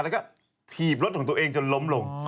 แล้วก็ถีบรถของตัวเองจนล้มลง